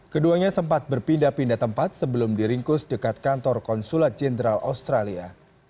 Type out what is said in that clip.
keduanya sempat berpindah pindah tempat sebelum diringkus dekat kantor konsulat jenderal australia